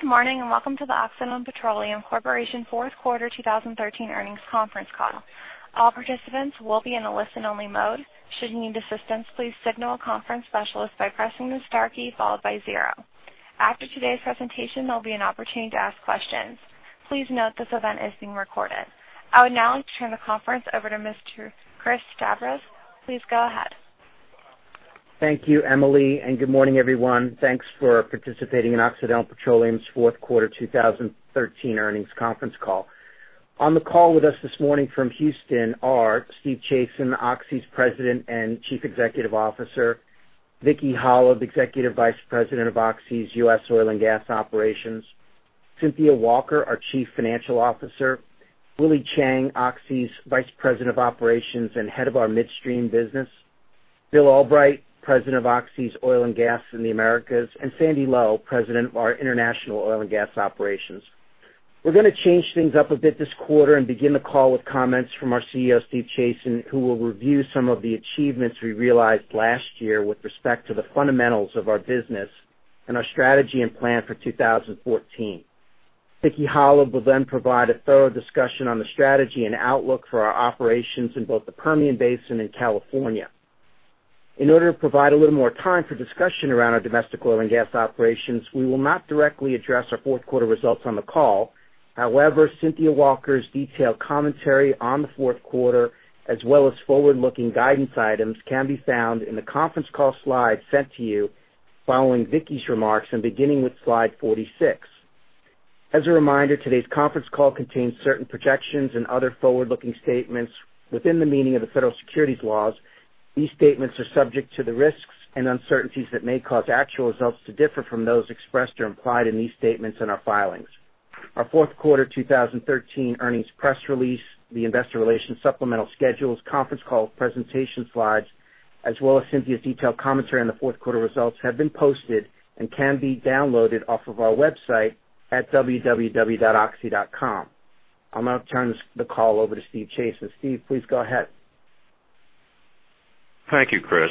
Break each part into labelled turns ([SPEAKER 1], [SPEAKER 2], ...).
[SPEAKER 1] Good morning, and welcome to the Occidental Petroleum Corporation fourth quarter 2013 earnings conference call. All participants will be in a listen-only mode. Should you need assistance, please signal a conference specialist by pressing the star key followed by zero. After today's presentation, there'll be an opportunity to ask questions. Please note this event is being recorded. I would now like to turn the conference over to Mr. Chris Stavros. Please go ahead.
[SPEAKER 2] Thank you, Emily. Good morning, everyone. Thanks for participating in Occidental Petroleum's fourth quarter 2013 earnings conference call. On the call with us this morning from Houston are Steve Chazen, Oxy's President and Chief Executive Officer, Vicki Hollub, Executive Vice President of Oxy's U.S. Oil and Gas Operations, Cynthia Walker, our Chief Financial Officer, Willie Chiang, Oxy's Vice President of Operations head of our midstream business, Bill Albrecht, President of Oxy's Oil and Gas in the Americas, Sandy Lowe, President of our International Oil and Gas Operations. We're going to change things up a bit this quarter begin the call with comments from our CEO, Steve Chazen, who will review some of the achievements we realized last year with respect to the fundamentals of our business our strategy plan for 2014. Vicki Hollub will then provide a thorough discussion on the strategy and outlook for our operations in both the Permian Basin and California. In order to provide a little more time for discussion around our domestic oil and gas operations, we will not directly address our fourth quarter results on the call. Cynthia Walker's detailed commentary on the fourth quarter, as well as forward-looking guidance items, can be found in the conference call slides sent to you following Vicki's remarks and beginning with slide 46. As a reminder, today's conference call contains certain projections and other forward-looking statements within the meaning of the federal securities laws. These statements are subject to the risks and uncertainties that may cause actual results to differ from those expressed or implied in these statements and our filings. Our fourth quarter 2013 earnings press release, the investor relations supplemental schedules, conference call presentation slides, as well as Cynthia's detailed commentary on the fourth quarter results, have been posted and can be downloaded off of our website at www.oxy.com. I'm going to turn the call over to Steve Chazen. Steve, please go ahead.
[SPEAKER 3] Thank you, Chris.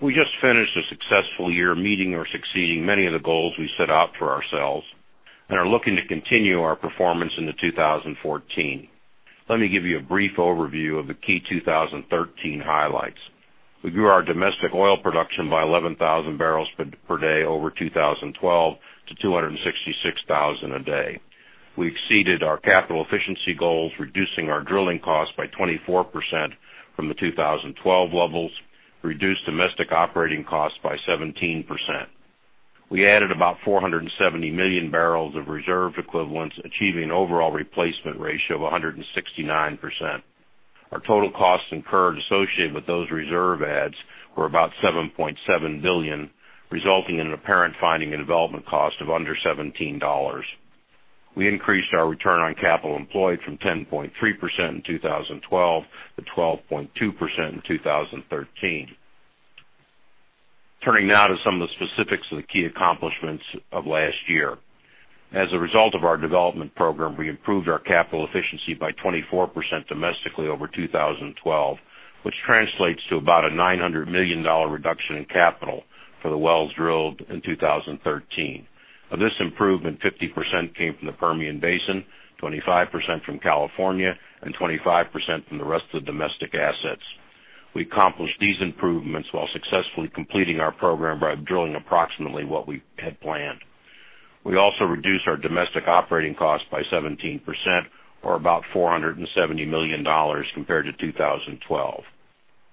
[SPEAKER 3] We just finished a successful year, meeting or exceeding many of the goals we set out for ourselves, and are looking to continue our performance into 2014. Let me give you a brief overview of the key 2013 highlights. We grew our domestic oil production by 11,000 barrels per day over 2012 to 266,000 a day. We exceeded our capital efficiency goals, reducing our drilling costs by 24% from the 2012 levels, reduced domestic operating costs by 17%. We added about 470 million barrels of reserve equivalents, achieving an overall replacement ratio of 169%. Our total costs incurred associated with those reserve adds were about $7.7 billion, resulting in an apparent finding and development cost of under $17. We increased our return on capital employed from 10.3% in 2012 to 12.2% in 2013. Turning now to some of the specifics of the key accomplishments of last year. As a result of our development program, we improved our capital efficiency by 24% domestically over 2012, which translates to about a $900 million reduction in capital for the wells drilled in 2013. Of this improvement, 50% came from the Permian Basin, 25% from California, and 25% from the rest of the domestic assets. We accomplished these improvements while successfully completing our program by drilling approximately what we had planned. We also reduced our domestic operating cost by 17%, or about $470 million compared to 2012.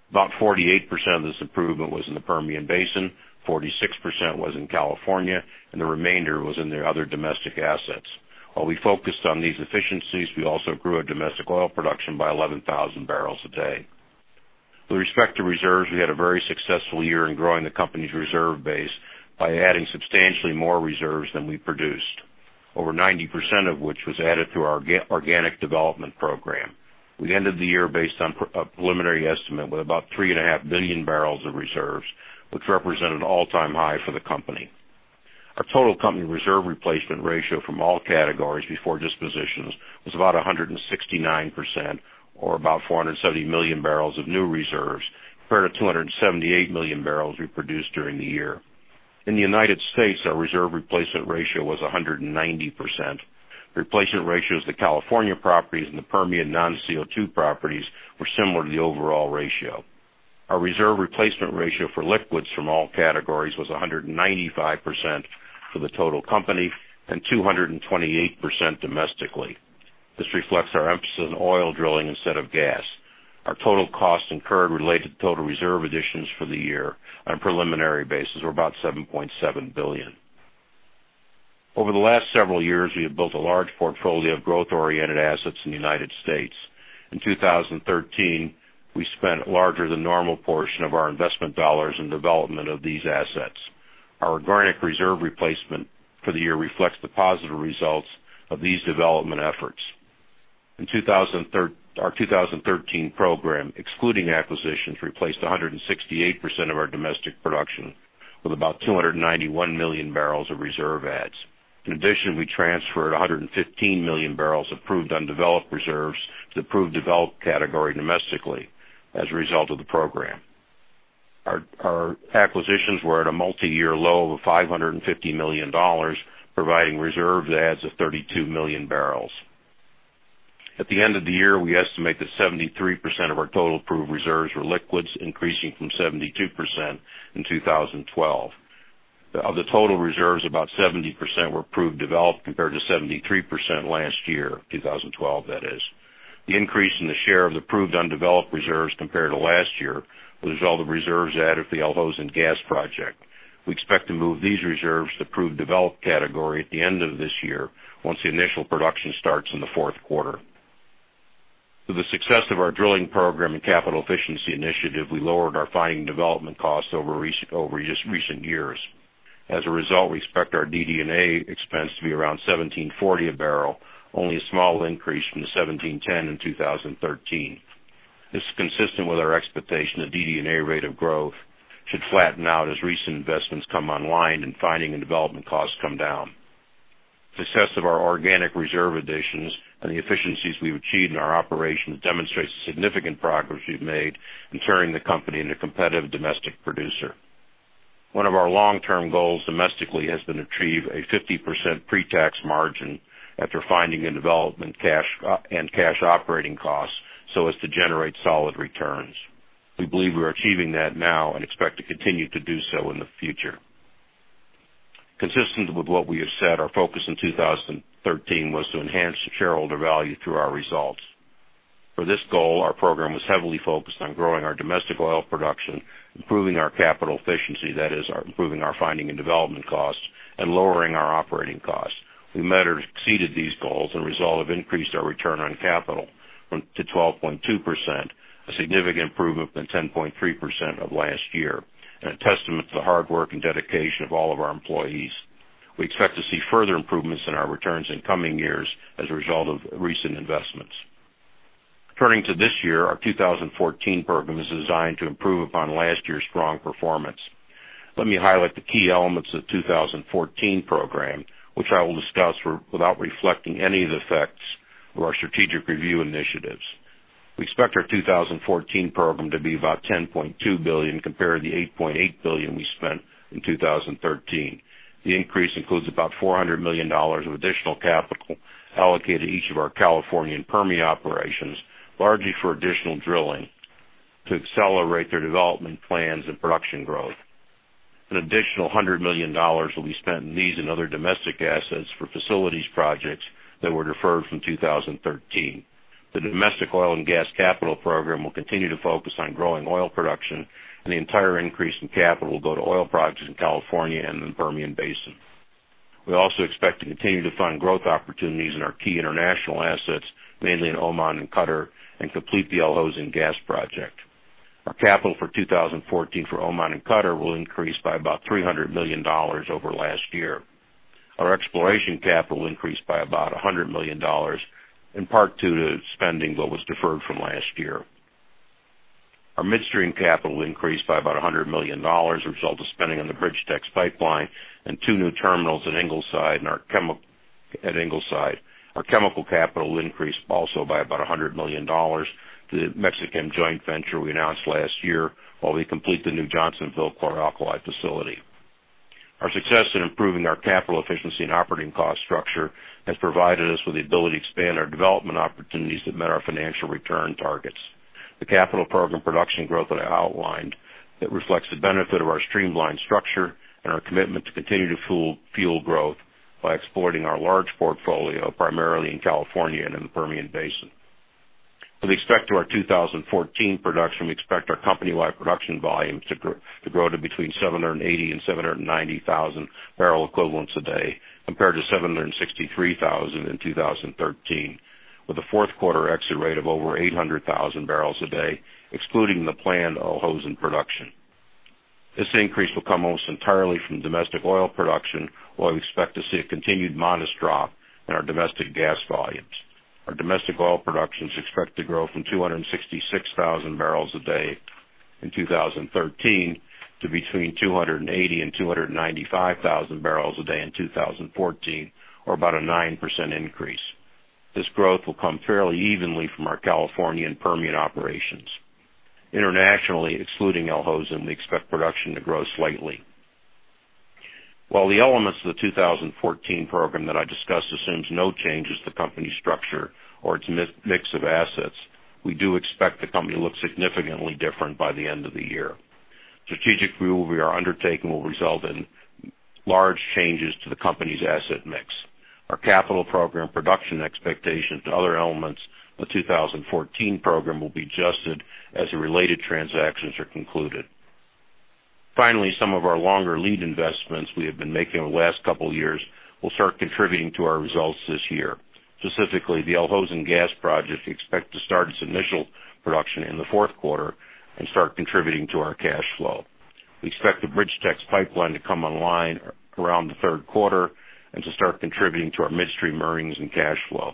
[SPEAKER 3] About 48% of this improvement was in the Permian Basin, 46% was in California, and the remainder was in the other domestic assets. While we focused on these efficiencies, we also grew our domestic oil production by 11,000 barrels a day. With respect to reserves, we had a very successful year in growing the company's reserve base by adding substantially more reserves than we produced, over 90% of which was added through our organic development program. We ended the year based on a preliminary estimate with about three and a half billion barrels of reserves, which represent an all-time high for the company. Our total company reserve replacement ratio from all categories before dispositions was about 169%, or about 470 million barrels of new reserves, compared to 278 million barrels we produced during the year. In the U.S., our reserve replacement ratio was 190%. Replacement ratios to California properties and the Permian non-CO2 properties were similar to the overall ratio. Our reserve replacement ratio for liquids from all categories was 195% for the total company and 228% domestically. This reflects our emphasis on oil drilling instead of gas. Our total costs incurred related to total reserve additions for the year on a preliminary basis were about $7.7 billion. Over the last several years, we have built a large portfolio of growth-oriented assets in the U.S. In 2013, we spent a larger than normal portion of our investment dollars in development of these assets. Our organic reserve replacement for the year reflects the positive results of these development efforts. Our 2013 program, excluding acquisitions, replaced 168% of our domestic production with about 291 million barrels of reserve adds. In addition, we transferred 115 million barrels of proved undeveloped reserves to the proved developed category domestically as a result of the program. Our acquisitions were at a multi-year low of $550 million, providing reserves adds of 32 million barrels. At the end of the year, we estimate that 73% of our total proved reserves were liquids, increasing from 72% in 2012. Of the total reserves, about 70% were proved developed compared to 73% last year, 2012, that is. The increase in the share of the proved undeveloped reserves compared to last year was a result of reserves added to the Al Hosn Gas project. We expect to move these reserves to proved developed category at the end of this year, once the initial production starts in the fourth quarter. Through the success of our drilling program and capital efficiency initiative, we lowered our finding and development costs over just recent years. As a result, we expect our DD&A expense to be around $17.40 a barrel, only a small increase from the $17.10 in 2013. This is consistent with our expectation that DD&A rate of growth should flatten out as recent investments come online and finding and development costs come down. The success of our organic reserve additions and the efficiencies we've achieved in our operations demonstrates the significant progress we've made in turning the company into a competitive domestic producer. One of our long-term goals domestically has been to achieve a 50% pre-tax margin after finding and development and cash operating costs so as to generate solid returns. We believe we are achieving that now and expect to continue to do so in the future. Consistent with what we have said, our focus in 2013 was to enhance shareholder value through our results. For this goal, our program was heavily focused on growing our domestic oil production, improving our capital efficiency, that is improving our finding and development costs, and lowering our operating costs. We met or exceeded these goals and a result have increased our return on capital to 12.2%, a significant improvement from 10.3% of last year, and a testament to the hard work and dedication of all of our employees. We expect to see further improvements in our returns in coming years as a result of recent investments. Turning to this year, our 2014 program is designed to improve upon last year's strong performance. Let me highlight the key elements of the 2014 program, which I will discuss without reflecting any of the effects of our strategic review initiatives. We expect our 2014 program to be about $10.2 billion compared to the $8.8 billion we spent in 2013. The increase includes about $400 million of additional capital allocated to each of our California and Permian operations, largely for additional drilling to accelerate their development plans and production growth. An additional $100 million will be spent in these and other domestic assets for facilities projects that were deferred from 2013. The domestic oil and gas capital program will continue to focus on growing oil production, and the entire increase in capital will go to oil projects in California and in the Permian Basin. We also expect to continue to fund growth opportunities in our key international assets, mainly in Oman and Qatar, and complete the Al Hosn Gas project. Our capital for 2014 for Oman and Qatar will increase by about $300 million over last year. Our exploration capital increased by about $100 million, in part due to spending what was deferred from last year. Our midstream capital increased by about $100 million, a result of spending on the BridgeTex Pipeline and two new terminals at Ingleside. Our chemical capital increased also by about $100 million to the Mexican joint venture we announced last year, while we complete the New Johnsonville chlor-alkali facility. Our success in improving our capital efficiency and operating cost structure has provided us with the ability to expand our development opportunities that met our financial return targets. The capital program production growth that I outlined that reflects the benefit of our streamlined structure and our commitment to continue to fuel growth by exploiting our large portfolio, primarily in California and in the Permian Basin. With respect to our 2014 production, we expect our company-wide production volumes to grow to between 780,000 and 790,000 barrel equivalents a day, compared to 763,000 in 2013, with a fourth quarter exit rate of over 800,000 barrels a day, excluding the planned Al Hosn production. This increase will come almost entirely from domestic oil production, while we expect to see a continued modest drop in our domestic gas volumes. Our domestic oil production is expected to grow from 266,000 barrels a day in 2013 to between 280,000 and 295,000 barrels a day in 2014, or about a 9% increase. This growth will come fairly evenly from our California and Permian operations. Internationally, excluding Al Hosn, we expect production to grow slightly. While the elements of the 2014 program that I discussed assumes no changes to company structure or to mix of assets, we do expect the company to look significantly different by the end of the year. The strategic review we are undertaking will result in large changes to the company's asset mix. Our capital program production expectations to other elements of the 2014 program will be adjusted as the related transactions are concluded. Finally, some of our longer lead investments we have been making over the last couple of years will start contributing to our results this year. Specifically, the Al Hosn Gas project we expect to start its initial production in the fourth quarter and start contributing to our cash flow. We expect the BridgeTex Pipeline to come online around the third quarter and to start contributing to our midstream earnings and cash flow.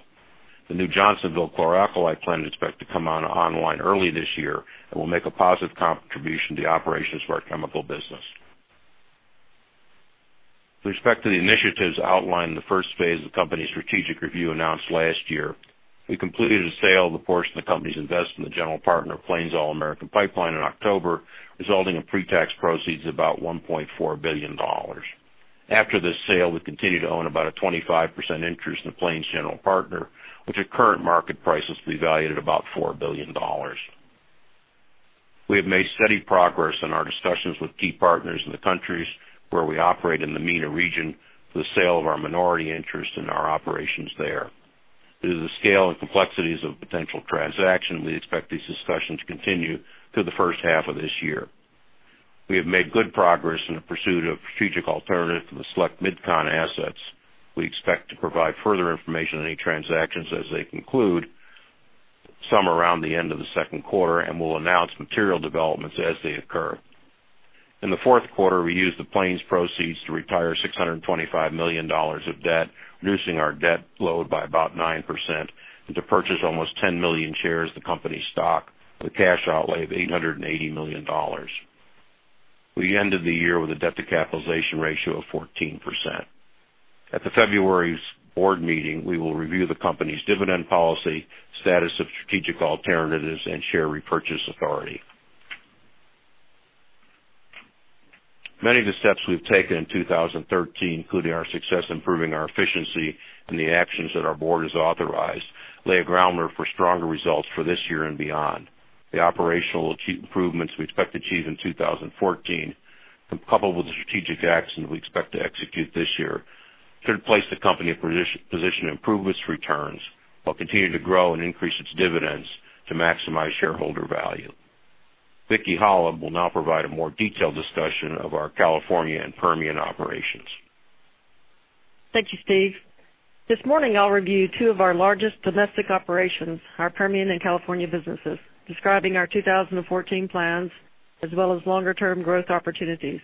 [SPEAKER 3] The New Johnsonville chlor-alkali plant is expected to come online early this year and will make a positive contribution to the operations of our chemical business. With respect to the initiatives outlined in the first phase of the company's strategic review announced last year, we completed a sale of the portion of the company's investment in the general partner of Plains All American Pipeline in October, resulting in pre-tax proceeds of about $1.4 billion. After this sale, we continue to own about a 25% interest in the Plains' general partner, which at current market price is to be valued at about $4 billion. We have made steady progress in our discussions with key partners in the countries where we operate in the MENA region for the sale of our minority interest in our operations there. Due to the scale and complexities of potential transaction, we expect these discussions to continue through the first half of this year. We have made good progress in the pursuit of strategic alternatives for the select MidCon assets. We expect to provide further information on any transactions as they conclude, some around the end of the second quarter, and we'll announce material developments as they occur. In the fourth quarter, we used the Plains proceeds to retire $625 million of debt, reducing our debt load by about 9%, and to purchase almost 10 million shares of the company stock with a cash outlay of $880 million. We ended the year with a debt to capitalization ratio of 14%. At the February's board meeting, we will review the company's dividend policy, status of strategic alternatives, and share repurchase authority. Many of the steps we've taken in 2013, including our success improving our efficiency and the actions that our board has authorized, lay a groundwork for stronger results for this year and beyond. The operational improvements we expect to achieve in 2014, coupled with the strategic actions we expect to execute this year, should place the company in a position to improve its returns while continuing to grow and increase its dividends to maximize shareholder value. Vicki Hollub will now provide a more detailed discussion of our California and Permian operations.
[SPEAKER 4] Thank you, Steve. This morning, I'll review two of our largest domestic operations, our Permian and California businesses, describing our 2014 plans as well as longer-term growth opportunities.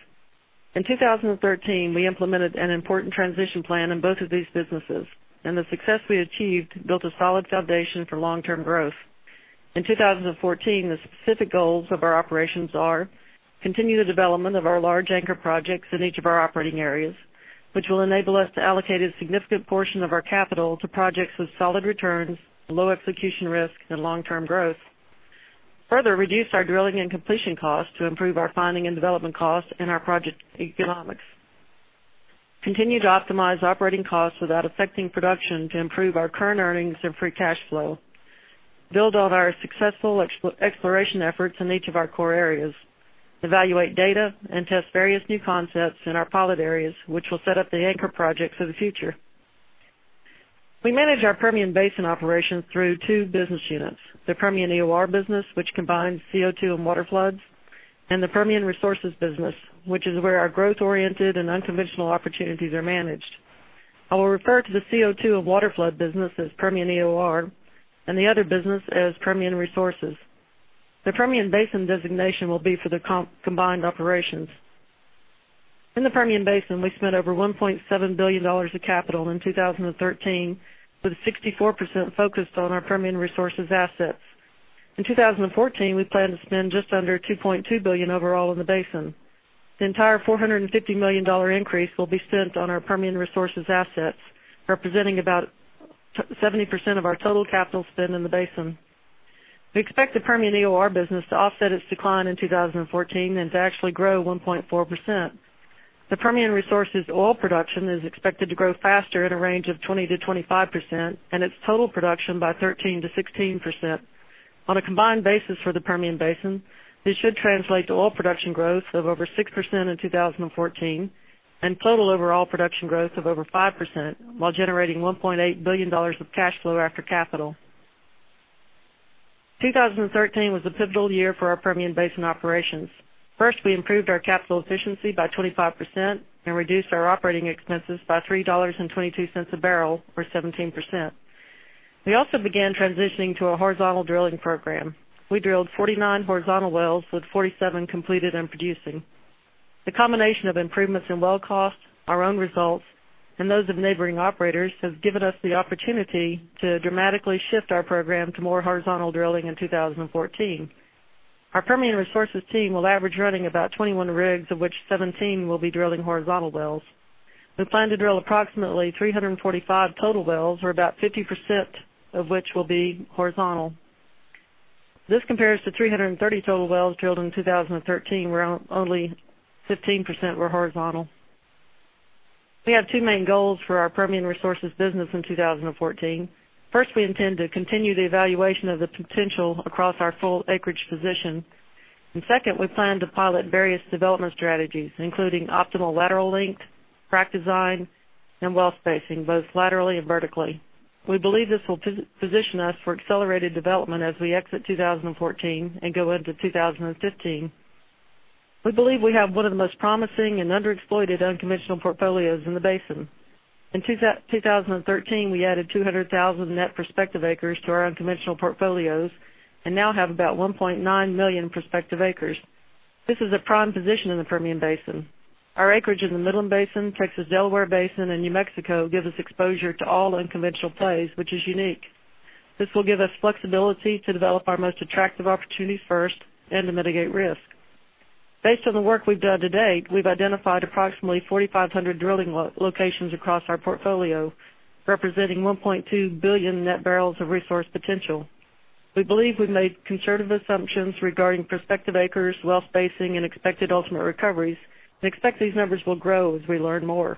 [SPEAKER 4] In 2013, we implemented an important transition plan in both of these businesses, and the success we achieved built a solid foundation for long-term growth. In 2014, the specific goals of our operations are: continue the development of our large anchor projects in each of our operating areas, which will enable us to allocate a significant portion of our capital to projects with solid returns, low execution risk, and long-term growth. Further reduce our drilling and completion costs to improve our finding and development costs and our project economics. Continue to optimize operating costs without affecting production to improve our current earnings and free cash flow. Build on our successful exploration efforts in each of our core areas. Evaluate data and test various new concepts in our pilot areas, which will set up the anchor projects of the future. We manage our Permian Basin operations through two business units, the Permian EOR business, which combines CO2 and water floods, and the Permian Resources business, which is where our growth-oriented and unconventional opportunities are managed. I will refer to the CO2 and water flood business as Permian EOR, and the other business as Permian Resources. The Permian Basin designation will be for the combined operations. In the Permian Basin, we spent over $1.7 billion of capital in 2013, with 64% focused on our Permian Resources assets. In 2014, we plan to spend just under $2.2 billion overall in the basin. The entire $450 million increase will be spent on our Permian Resources assets, representing about 70% of our total capital spend in the basin. We expect the Permian EOR business to offset its decline in 2014 and to actually grow 1.4%. The Permian Resources oil production is expected to grow faster at a range of 20%-25%, and its total production by 13%-16%. On a combined basis for the Permian Basin, this should translate to oil production growth of over 6% in 2014 and total overall production growth of over 5% while generating $1.8 billion of cash flow after capital. 2013 was a pivotal year for our Permian Basin operations. First, we improved our capital efficiency by 25% and reduced our operating expenses by $3.22 a barrel or 17%. We also began transitioning to a horizontal drilling program. We drilled 49 horizontal wells, with 47 completed and producing. The combination of improvements in well cost, our own results, and those of neighboring operators has given us the opportunity to dramatically shift our program to more horizontal drilling in 2014. Our Permian Resources team will average running about 21 rigs, of which 17 will be drilling horizontal wells. We plan to drill approximately 345 total wells, or about 50% of which will be horizontal. This compares to 330 total wells drilled in 2013, where only 15% were horizontal. We have two main goals for our Permian Resources business in 2014. First, we intend to continue the evaluation of the potential across our full acreage position. Second, we plan to pilot various development strategies, including optimal lateral length, frac design, and well spacing, both laterally and vertically. We believe this will position us for accelerated development as we exit 2014 and go into 2015. We believe we have one of the most promising and underexploited unconventional portfolios in the basin. In 2013, we added 200,000 net prospective acres to our unconventional portfolios and now have about 1.9 million prospective acres. This is a prime position in the Permian Basin. Our acreage in the Midland Basin, Texas Delaware Basin, and New Mexico gives us exposure to all unconventional plays, which is unique. This will give us flexibility to develop our most attractive opportunities first and to mitigate risk. Based on the work we've done to date, we've identified approximately 4,500 drilling locations across our portfolio, representing 1.2 billion net barrels of resource potential. We believe we've made conservative assumptions regarding prospective acres, well spacing, and expected ultimate recoveries, and expect these numbers will grow as we learn more.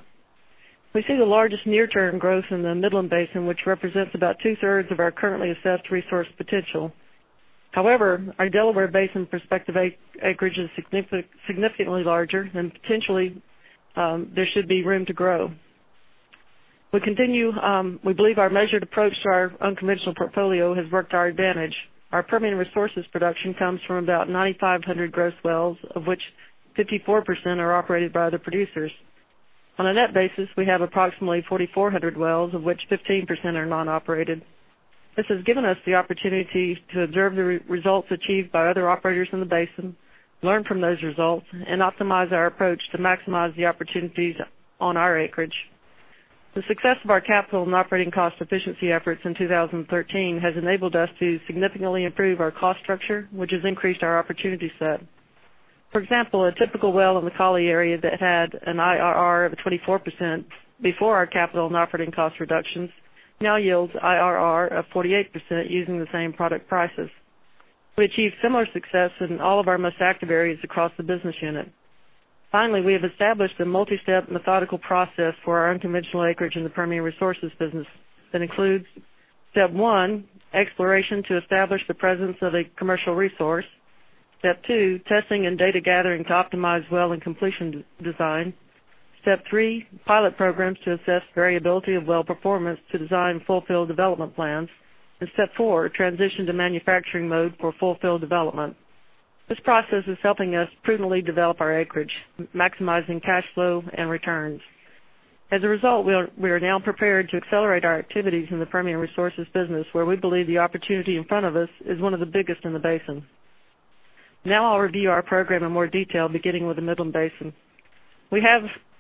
[SPEAKER 4] We see the largest near-term growth in the Midland Basin, which represents about two-thirds of our currently assessed resource potential. However, our Delaware Basin prospective acreage is significantly larger and potentially, there should be room to grow. We believe our measured approach to our unconventional portfolio has worked to our advantage. Our Permian Resources production comes from about 9,500 gross wells, of which 54% are operated by other producers. On a net basis, we have approximately 4,400 wells, of which 15% are non-operated. This has given us the opportunity to observe the results achieved by other operators in the basin, learn from those results, and optimize our approach to maximize the opportunities on our acreage. The success of our capital and operating cost efficiency efforts in 2013 has enabled us to significantly improve our cost structure, which has increased our opportunity set. For example, a typical well in the Collie area that had an IRR of 24% before our capital and operating cost reductions now yields IRR of 48% using the same product prices. We achieved similar success in all of our most active areas across the business unit. Finally, we have established a multi-step methodical process for our unconventional acreage in the Permian Resources business that includes step 1, exploration to establish the presence of a commercial resource. Step 2, testing and data gathering to optimize well and completion design. Step 3, pilot programs to assess variability of well performance to design full-field development plans. Step 4, transition to manufacturing mode for full-field development. This process is helping us prudently develop our acreage, maximizing cash flow and returns. As a result, we are now prepared to accelerate our activities in the Permian Resources business, where we believe the opportunity in front of us is one of the biggest in the basin. Now I'll review our program in more detail, beginning with the Midland Basin.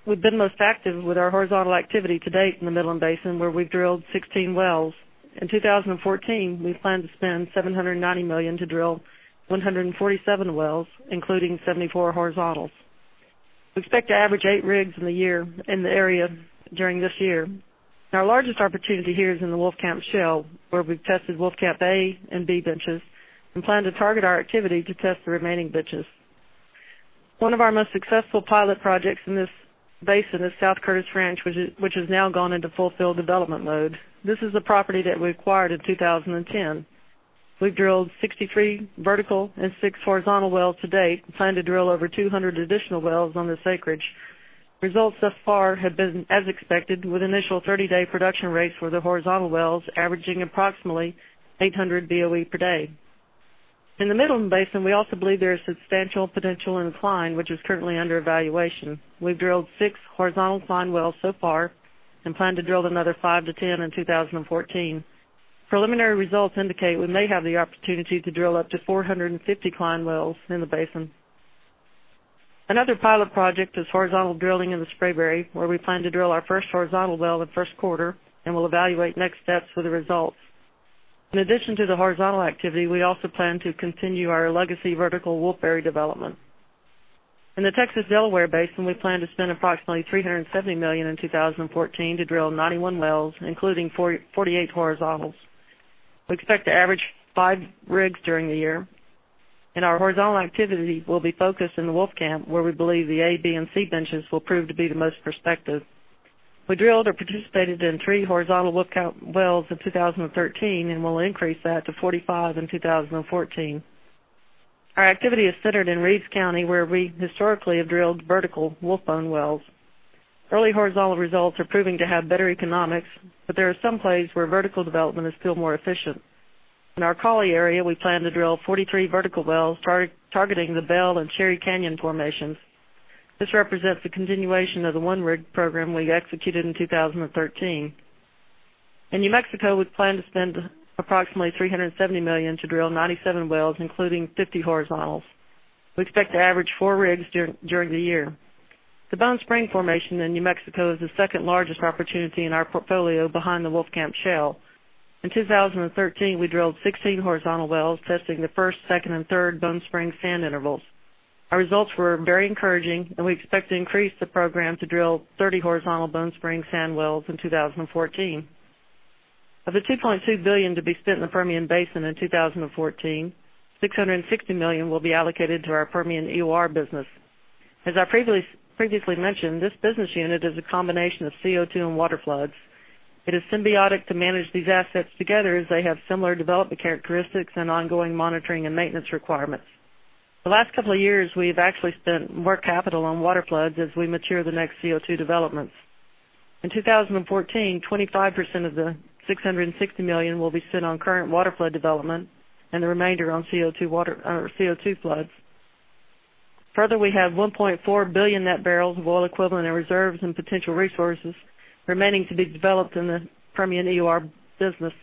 [SPEAKER 4] We've been most active with our horizontal activity to date in the Midland Basin, where we've drilled 16 wells. In 2014, we plan to spend $790 million to drill 147 wells, including 74 horizontals. We expect to average eight rigs in the area during this year. Our largest opportunity here is in the Wolfcamp Shale, where we've tested Wolfcamp A and B benches and plan to target our activity to test the remaining benches. One of our most successful pilot projects in this basin is South Curtis Ranch, which has now gone into full fill development mode. This is a property that we acquired in 2010. We've drilled 63 vertical and six horizontal wells to date and plan to drill over 200 additional wells on this acreage. Results thus far have been as expected, with initial 30-day production rates for the horizontal wells averaging approximately 800 BOE per day. In the Midland Basin, we also believe there is substantial potential in Cline, which is currently under evaluation. We've drilled six horizontal Cline wells so far and plan to drill another five to 10 in 2014. Preliminary results indicate we may have the opportunity to drill up to 450 Cline wells in the basin. Another pilot project is horizontal drilling in the Spraberry, where we plan to drill our first horizontal well in the first quarter and will evaluate next steps for the results. In addition to the horizontal activity, we also plan to continue our legacy vertical Wolfberry development. In the Texas Delaware Basin, we plan to spend approximately $370 million in 2014 to drill 91 wells, including 48 horizontals. We expect to average five rigs during the year, and our horizontal activity will be focused in the Wolfcamp, where we believe the A, B, and C benches will prove to be the most prospective. We drilled or participated in three horizontal Wolfcamp wells in 2013 and will increase that to 45 in 2014. Our activity is centered in Reeves County, where we historically have drilled vertical Wolfbone wells. Early horizontal results are proving to have better economics, but there are some plays where vertical development is still more efficient. In our Collie area, we plan to drill 43 vertical wells, targeting the Bell and Cherry Canyon formations. This represents the continuation of the one-rig program we executed in 2013. In New Mexico, we plan to spend approximately $370 million to drill 97 wells, including 50 horizontals. We expect to average four rigs during the year. The Bone Spring Formation in New Mexico is the second-largest opportunity in our portfolio behind the Wolfcamp Shale. In 2013, we drilled 16 horizontal wells testing the first, second, and third Bone Spring sand intervals. Our results were very encouraging, and we expect to increase the program to drill 30 horizontal Bone Spring sand wells in 2014. Of the $2.2 billion to be spent in the Permian Basin in 2014, $660 million will be allocated to our Permian EOR business. As I previously mentioned, this business unit is a combination of CO2 and water floods. It is symbiotic to manage these assets together, as they have similar development characteristics and ongoing monitoring and maintenance requirements. The last couple of years, we've actually spent more capital on water floods as we mature the next CO2 developments. In 2014, 25% of the $660 million will be spent on current water flood development and the remainder on CO2 floods. Further, we have 1.4 billion net BOE in reserves and potential resources remaining to be developed in the Permian EOR business.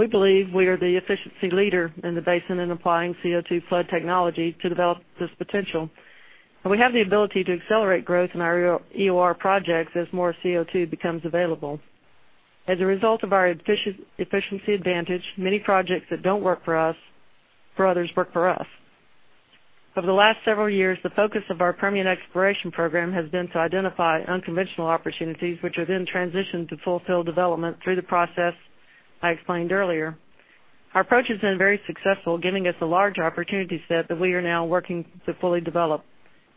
[SPEAKER 4] We believe we are the efficiency leader in the basin in applying CO2 flood technology to develop this potential. We have the ability to accelerate growth in our EOR projects as more CO2 becomes available. As a result of our efficiency advantage, many projects that don't work for others, work for us. Over the last several years, the focus of our Permian exploration program has been to identify unconventional opportunities, which are then transitioned to fulfill development through the process I explained earlier. Our approach has been very successful, giving us a large opportunity set that we are now working to fully develop.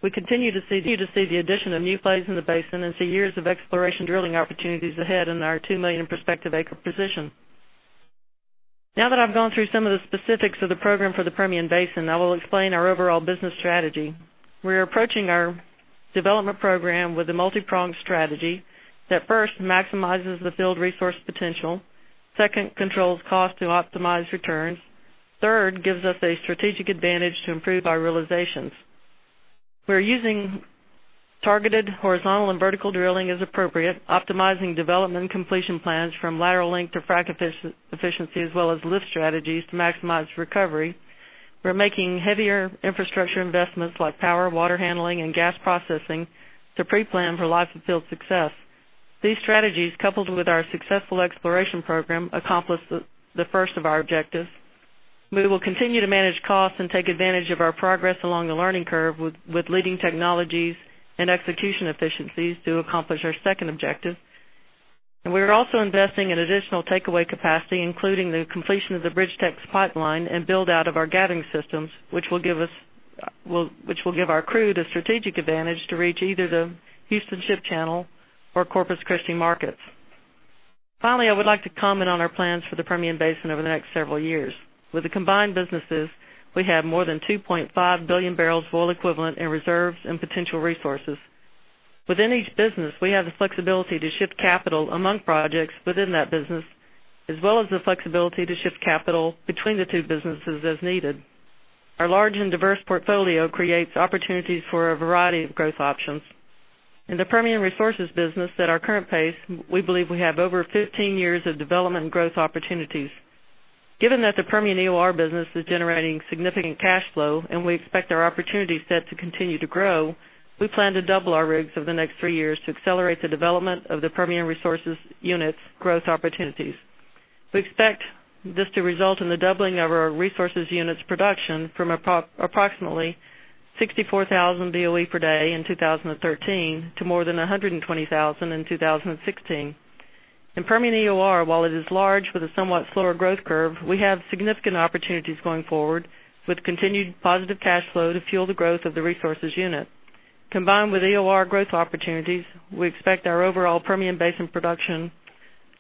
[SPEAKER 4] We continue to see the addition of new plays in the basin and see years of exploration drilling opportunities ahead in our 2 million prospective acre position. Now that I've gone through some of the specifics of the program for the Permian Basin, I will explain our overall business strategy. We're approaching our development program with a multi-pronged strategy that first maximizes the field resource potential. Second, controls cost to optimize returns. Third, gives us a strategic advantage to improve our realizations. We're using targeted horizontal and vertical drilling as appropriate, optimizing development completion plans from lateral length to frac efficiency, as well as lift strategies to maximize recovery. We're making heavier infrastructure investments like power, water handling, and gas processing to pre-plan for life-of-field success. These strategies, coupled with our successful exploration program, accomplish the first of our objectives. We will continue to manage costs and take advantage of our progress along the learning curve with leading technologies and execution efficiencies to accomplish our second objective. We're also investing in additional takeaway capacity, including the completion of the BridgeTex Pipeline and build-out of our gathering systems, which will give our crew the strategic advantage to reach either the Houston Ship Channel or Corpus Christi markets. Finally, I would like to comment on our plans for the Permian Basin over the next several years. With the combined businesses, we have more than 2.5 billion barrels of oil equivalent in reserves and potential resources. Within each business, we have the flexibility to shift capital among projects within that business, as well as the flexibility to shift capital between the two businesses as needed. Our large and diverse portfolio creates opportunities for a variety of growth options. In the Permian Resources business at our current pace, we believe we have over 15 years of development and growth opportunities. Given that the Permian EOR business is generating significant cash flow and we expect our opportunity set to continue to grow, we plan to double our rigs over the next three years to accelerate the development of the Permian Resources unit's growth opportunities. We expect this to result in the doubling of our resources unit's production from approximately 64,000 BOE per day in 2013 to more than 120,000 in 2016. In Permian EOR, while it is large with a somewhat slower growth curve, we have significant opportunities going forward with continued positive cash flow to fuel the growth of the resources unit. Combined with EOR growth opportunities, we expect our overall Permian Basin production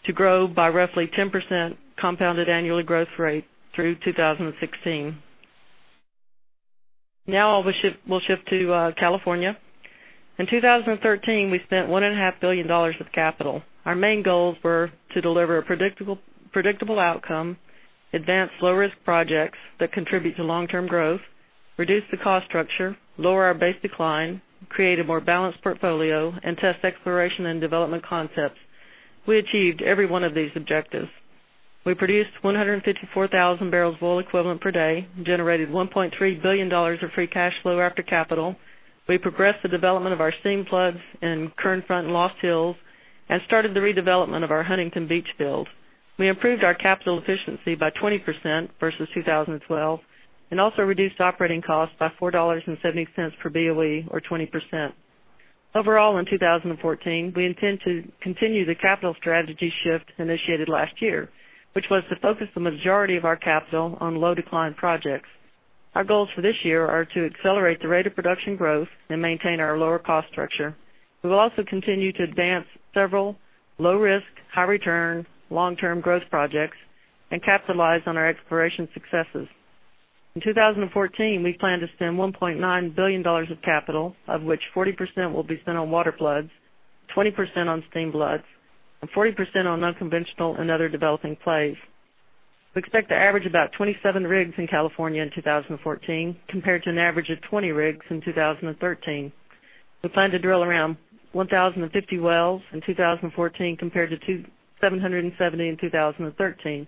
[SPEAKER 4] to grow by roughly 10% compounded annually growth rate through 2016. Now we'll shift to California. In 2013, we spent $1.5 billion of capital. Our main goals were to deliver a predictable outcome, advance low-risk projects that contribute to long-term growth, reduce the cost structure, lower our base decline, create a more balanced portfolio, and test exploration and development concepts. We achieved every one of these objectives. We produced 154,000 barrels of oil equivalent per day and generated $1.3 billion of free cash flow after capital. We progressed the development of our steam floods in Kern Front and Lost Hills and started the redevelopment of our Huntington Beach field. We improved our capital efficiency by 20% versus 2012 and also reduced operating costs by $4.70 per BOE or 20%. Overall, in 2014, we intend to continue the capital strategy shift initiated last year, which was to focus the majority of our capital on low decline projects. Our goals for this year are to accelerate the rate of production growth and maintain our lower cost structure. We will also continue to advance several low risk, high return, long-term growth projects and capitalize on our exploration successes. In 2014, we plan to spend $1.9 billion of capital, of which 40% will be spent on water floods, 20% on steam floods, and 40% on unconventional and other developing plays. We expect to average about 27 rigs in California in 2014, compared to an average of 20 rigs in 2013. We plan to drill around 1,050 wells in 2014 compared to 770 in 2013.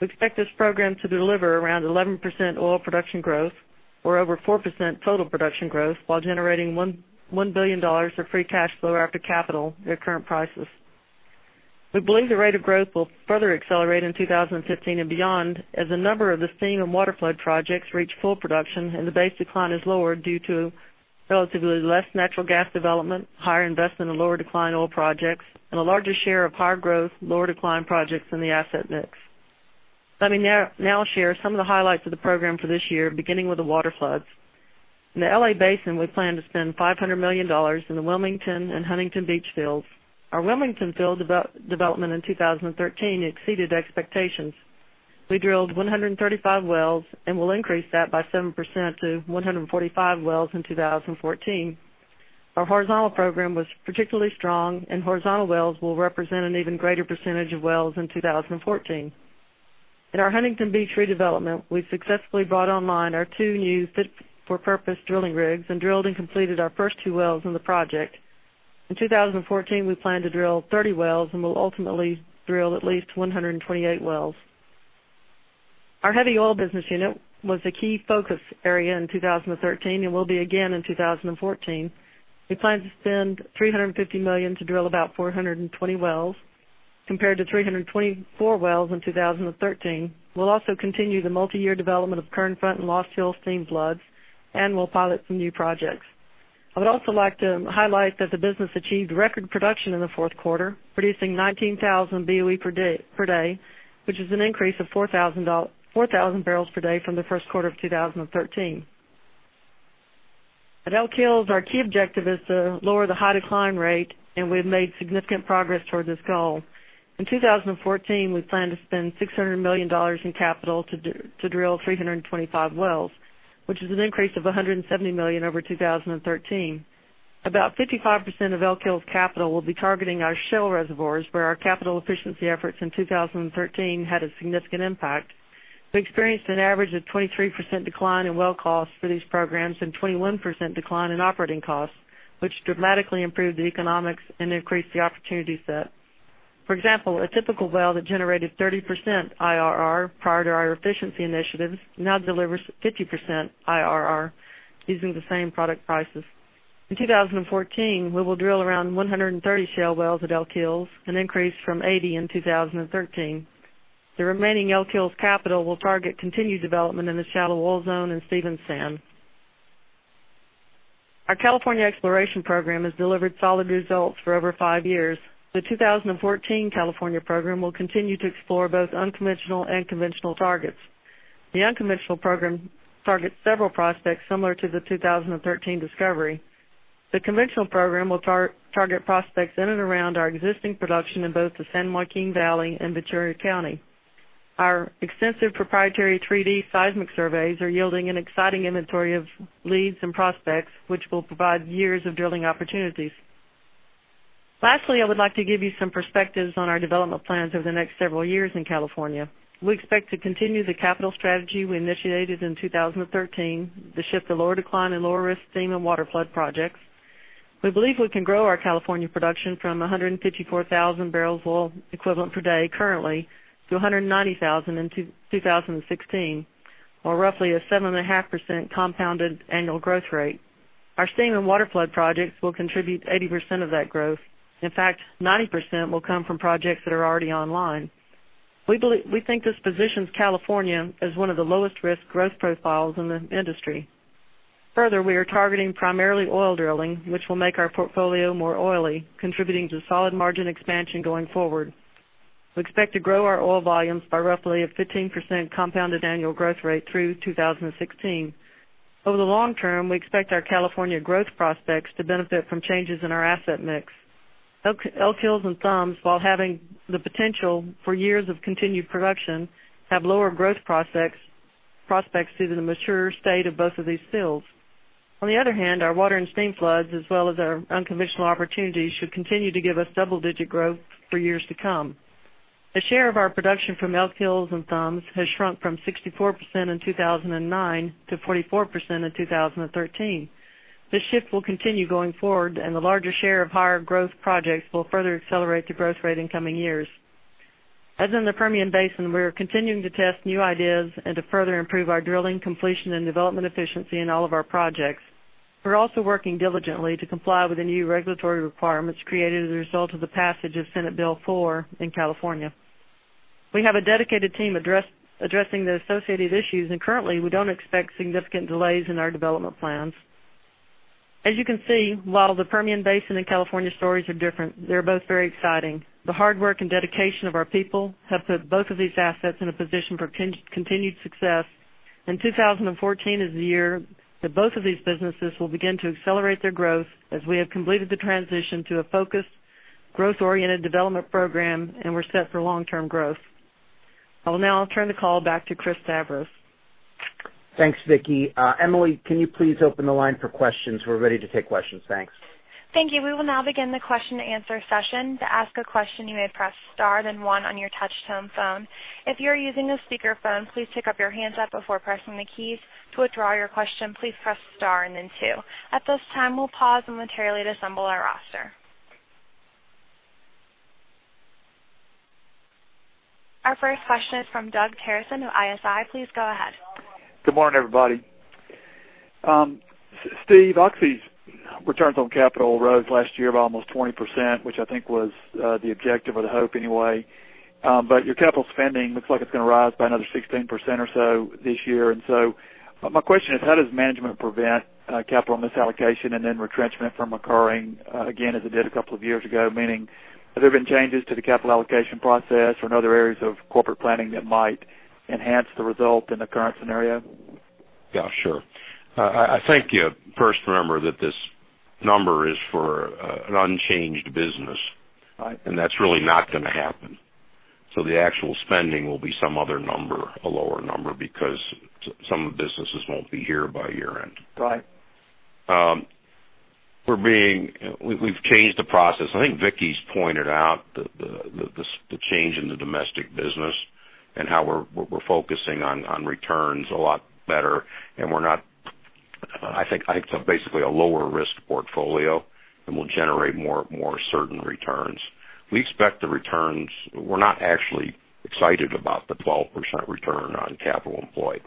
[SPEAKER 4] We expect this program to deliver around 11% oil production growth or over 4% total production growth while generating $1 billion of free cash flow after capital at current prices. We believe the rate of growth will further accelerate in 2015 and beyond as a number of the steam and water flood projects reach full production and the base decline is lower due to relatively less natural gas development, higher investment in lower decline oil projects, and a larger share of higher growth, lower decline projects in the asset mix. Let me now share some of the highlights of the program for this year, beginning with the water floods. In the L.A. Basin, we plan to spend $500 million in the Wilmington and Huntington Beach fields. Our Wilmington field development in 2013 exceeded expectations. We drilled 135 wells and will increase that by 7% to 145 wells in 2014. Our horizontal program was particularly strong, and horizontal wells will represent an even greater percentage of wells in 2014. In our Huntington Beach redevelopment, we successfully brought online our two new fit-for-purpose drilling rigs and drilled and completed our first two wells in the project. In 2014, we plan to drill 30 wells and will ultimately drill at least 128 wells. Our heavy oil business unit was a key focus area in 2013 and will be again in 2014. We plan to spend $350 million to drill about 420 wells, compared to 324 wells in 2013. We'll also continue the multi-year development of Kern Front and Lost Hills steam floods, and we'll pilot some new projects. I would also like to highlight that the business achieved record production in the fourth quarter, producing 19,000 BOE per day, which is an increase of 4,000 barrels per day from the first quarter of 2013. At Elk Hills, our key objective is to lower the high decline rate, and we've made significant progress toward this goal. In 2014, we plan to spend $600 million in capital to drill 325 wells, which is an increase of $170 million over 2013. About 55% of Elk Hills capital will be targeting our shale reservoirs, where our capital efficiency efforts in 2013 had a significant impact. We experienced an average of 23% decline in well costs for these programs and 21% decline in operating costs, which dramatically improved the economics and increased the opportunity set. For example, a typical well that generated 30% IRR prior to our efficiency initiatives now delivers 50% IRR using the same product prices. In 2014, we will drill around 130 shale wells at Elk Hills, an increase from 80 in 2013. The remaining Elk Hills capital will target continued development in the Shallow Oil Zone and Stevens Sand. Our California exploration program has delivered solid results for over five years. The 2014 California program will continue to explore both unconventional and conventional targets. The unconventional program targets several prospects similar to the 2013 discovery. The conventional program will target prospects in and around our existing production in both the San Joaquin Valley and Ventura County. Our extensive proprietary 3D seismic surveys are yielding an exciting inventory of leads and prospects, which will provide years of drilling opportunities. Lastly, I would like to give you some perspectives on our development plans over the next several years in California. We expect to continue the capital strategy we initiated in 2013 to shift to lower decline and lower risk steam and water flood projects. We believe we can grow our California production from 154,000 barrels of oil equivalent per day currently to 190,000 in 2016, or roughly a 7.5% compounded annual growth rate. Our steam and water flood projects will contribute 80% of that growth. In fact, 90% will come from projects that are already online. We think this positions California as one of the lowest risk growth profiles in the industry. Further, we are targeting primarily oil drilling, which will make our portfolio more oily, contributing to solid margin expansion going forward. We expect to grow our oil volumes by roughly a 15% compounded annual growth rate through 2016. Over the long term, we expect our California growth prospects to benefit from changes in our asset mix. Elk Hills and THUMS, while having the potential for years of continued production, have lower growth prospects due to the mature state of both of these fields. On the other hand, our water and steam floods, as well as our unconventional opportunities, should continue to give us double-digit growth for years to come. A share of our production from Elk Hills and THUMS has shrunk from 64% in 2009 to 44% in 2013. This shift will continue going forward, and the larger share of higher growth projects will further accelerate the growth rate in coming years. As in the Permian Basin, we are continuing to test new ideas and to further improve our drilling completion and development efficiency in all of our projects. We're also working diligently to comply with the new regulatory requirements created as a result of the passage of Senate Bill 4 in California. We have a dedicated team addressing the associated issues, and currently, we don't expect significant delays in our development plans. As you can see, while the Permian Basin and California stories are different, they're both very exciting. The hard work and dedication of our people have put both of these assets in a position for continued success. 2014 is the year that both of these businesses will begin to accelerate their growth as we have completed the transition to a focused, growth-oriented development program, and we're set for long-term growth. I will now turn the call back to Chris Stavros.
[SPEAKER 3] Thanks, Vicki. Emily, can you please open the line for questions? We're ready to take questions. Thanks.
[SPEAKER 1] Thank you. We will now begin the question and answer session. To ask a question, you may press star then one on your touchtone phone. If you are using a speakerphone, please pick up your handset before pressing the keys. To withdraw your question, please press star and then two. At this time, we will pause momentarily to assemble our roster. Our first question is from Doug Terreson of ISI. Please go ahead.
[SPEAKER 5] Good morning, everybody. Steve, Oxy's returns on capital rose last year by almost 20%, which I think was the objective or the hope anyway. Your capital spending looks like it is going to rise by another 16% or so this year. My question is, how does management prevent capital misallocation and then retrenchment from occurring again as it did a couple of years ago? Meaning, have there been changes to the capital allocation process or in other areas of corporate planning that might enhance the result in the current scenario?
[SPEAKER 3] Yeah, sure. I think you first remember that this number is for an unchanged business.
[SPEAKER 5] Right.
[SPEAKER 3] That is really not going to happen. The actual spending will be some other number, a lower number, because some of the businesses won't be here by year-end.
[SPEAKER 5] Right.
[SPEAKER 3] We've changed the process. I think Vicki's pointed out the change in the domestic business and how we're focusing on returns a lot better, and we're not I think it's basically a lower risk portfolio and will generate more certain returns. We're not actually excited about the 12% return on capital employed.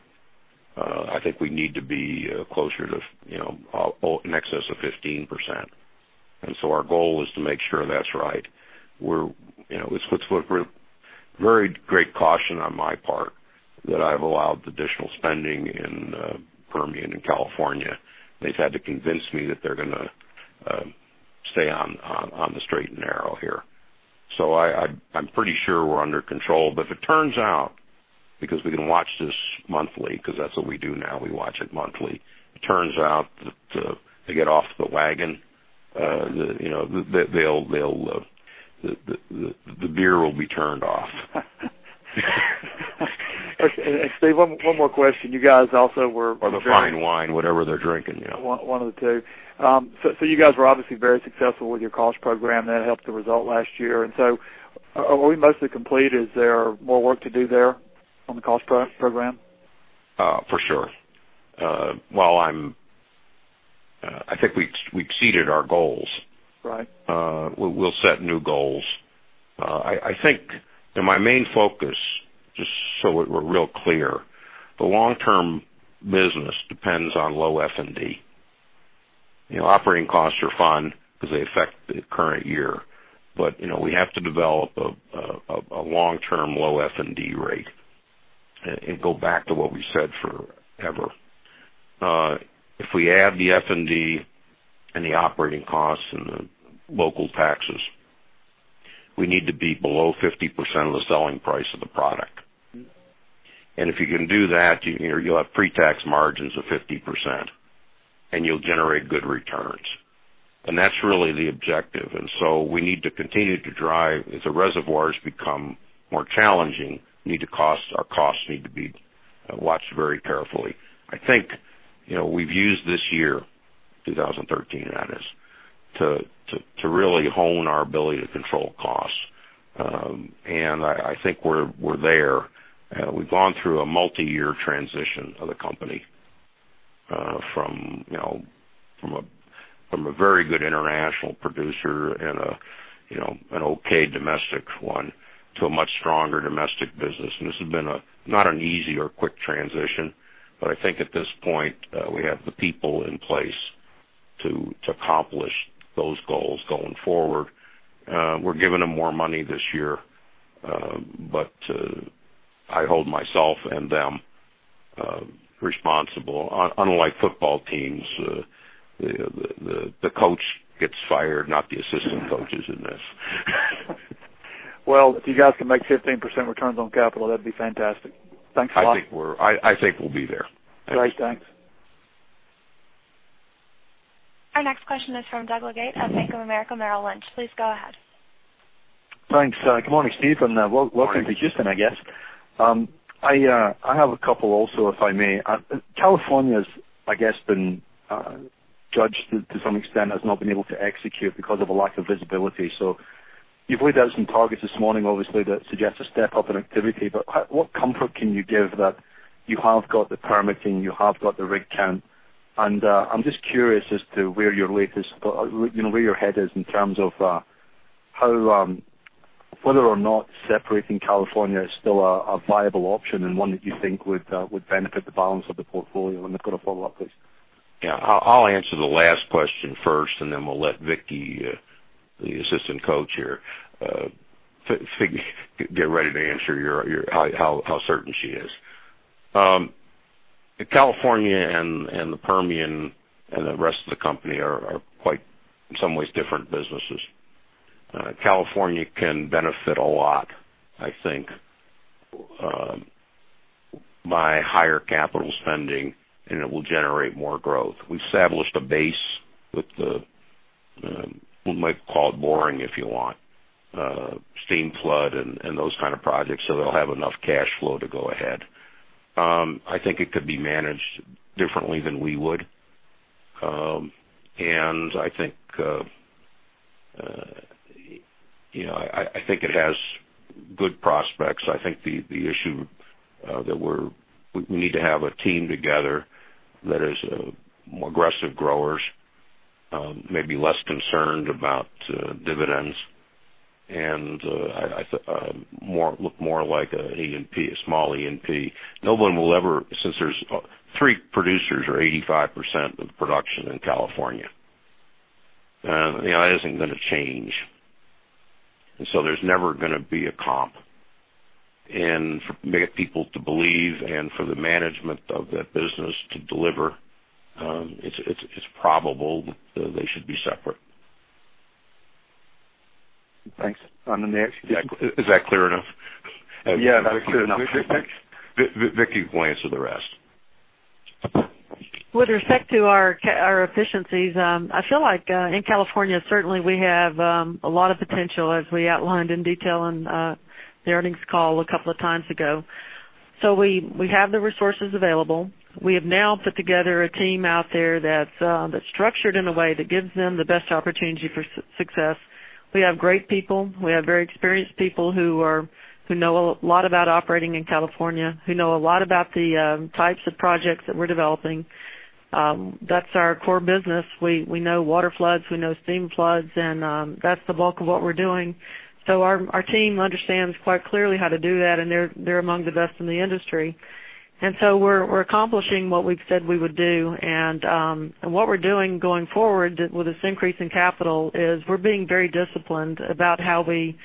[SPEAKER 3] I think we need to be closer to in excess of 15%. Our goal is to make sure that's right. It's with very great caution on my part that I've allowed the additional spending in the Permian and California. They've had to convince me that they're going to stay on the straight and narrow here. I'm pretty sure we're under control. If it turns out, because we can watch this monthly, because that's what we do now, we watch it monthly. It turns out that they get off the wagon, the beer will be turned off.
[SPEAKER 5] Steve, one more question. You guys also.
[SPEAKER 3] The fine wine, whatever they're drinking.
[SPEAKER 5] One of the two. You guys were obviously very successful with your cost program. That helped the result last year. Are we mostly complete? Is there more work to do there on the cost program?
[SPEAKER 3] For sure. I think we exceeded our goals.
[SPEAKER 5] Right.
[SPEAKER 3] We'll set new goals. My main focus, just so we're real clear, the long-term business depends on low F&D. Operating costs are fun because they affect the current year. We have to develop a long-term low F&D rate and go back to what we said forever. If we add the F&D and the operating costs and the local taxes, we need to be below 50% of the selling price of the product. If you can do that, you'll have pre-tax margins of 50%, and you'll generate good returns. That's really the objective. We need to continue to drive. As the reservoirs become more challenging, our costs need to be watched very carefully. I think we've used this year, 2013 that is, to really hone our ability to control costs. I think we're there. We've gone through a multi-year transition of the company, from a very good international producer and an okay domestic one to a much stronger domestic business. This has been not an easy or quick transition, but I think at this point, we have the people in place to accomplish those goals going forward. We're giving them more money this year, but I hold myself and them responsible. Unlike football teams, the coach gets fired, not the assistant coaches in this.
[SPEAKER 5] Well, if you guys can make 15% returns on capital, that'd be fantastic. Thanks a lot.
[SPEAKER 3] I think we'll be there.
[SPEAKER 5] Great. Thanks.
[SPEAKER 1] Our next question is from Doug Leggate of Bank of America, Merrill Lynch. Please go ahead.
[SPEAKER 6] Thanks. Good morning, Steve, and welcome to Houston, I guess.
[SPEAKER 3] Morning.
[SPEAKER 6] I have a couple also, if I may. California has, I guess, been judged to some extent, has not been able to execute because of a lack of visibility. You've laid out some targets this morning, obviously, that suggest a step up in activity. What comfort can you give that you have got the permitting, you have got the rig count? I'm just curious as to where your head is in terms of whether or not separating California is still a viable option and one that you think would benefit the balance of the portfolio. I've got a follow-up, please.
[SPEAKER 3] Yeah. I'll answer the last question first, and then we'll let Vicki, the assistant coach here, get ready to answer how certain she is. California and the Permian and the rest of the company are quite, in some ways, different businesses. California can benefit a lot, I think, by higher capital spending, and it will generate more growth. We've established a base with the, we might call it boring if you want, steam flood and those kind of projects, so they'll have enough cash flow to go ahead. I think it could be managed differently than we would. I think it has good prospects. I think the issue, that we need to have a team together that is more aggressive growers, maybe less concerned about dividends and look more like a small E&P. Three producers are 85% of the production in California. That isn't going to change. There's never going to be a comp. To get people to believe and for the management of that business to deliver, it's probable that they should be separate.
[SPEAKER 6] Thanks.
[SPEAKER 3] Is that clear enough?
[SPEAKER 6] Yeah, that's clear enough. Thanks.
[SPEAKER 3] Vicki will answer the rest.
[SPEAKER 4] With respect to our efficiencies, I feel like in California, certainly we have a lot of potential, as we outlined in detail in the earnings call a couple of times ago. We have the resources available. We have now put together a team out there that's structured in a way that gives them the best opportunity for success. We have great people. We have very experienced people who know a lot about operating in California, who know a lot about the types of projects that we're developing. That's our core business. We know water floods, we know steam floods, and that's the bulk of what we're doing. Our team understands quite clearly how to do that, and they're among the best in the industry. We're accomplishing what we've said we would do. What we're doing going forward with this increase in capital is we're being very disciplined about how we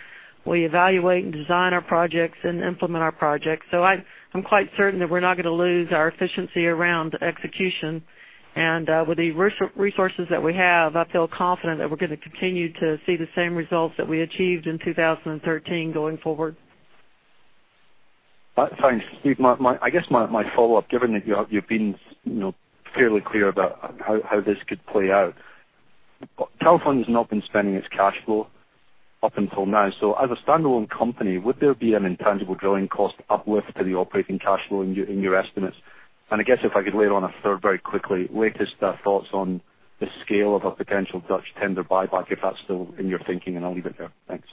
[SPEAKER 4] evaluate and design our projects and implement our projects. I'm quite certain that we're not going to lose our efficiency around execution. With the resources that we have, I feel confident that we're going to continue to see the same results that we achieved in 2013 going forward.
[SPEAKER 6] Thanks, Steve. I guess my follow-up, given that you've been fairly clear about how this could play out. California has not been spending its cash flow up until now. As a standalone company, would there be an intangible drilling cost uplift to the operating cash flow in your estimates? I guess if I could layer on a third very quickly, latest thoughts on the scale of a potential Dutch tender buyback, if that's still in your thinking, and I'll leave it there. Thanks.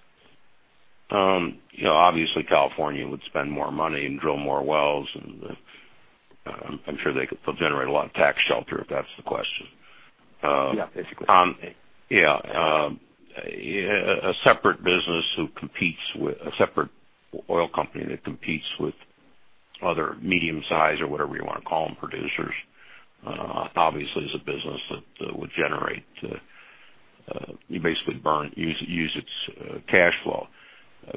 [SPEAKER 3] Obviously, California would spend more money and drill more wells, and I'm sure they could generate a lot of tax shelter, if that's the question.
[SPEAKER 6] Yeah, basically.
[SPEAKER 3] Yeah. A separate oil company that competes with other medium-size or whatever you want to call them, producers, obviously is a business that would basically use its cash flow.